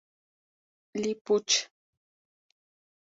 Le Puch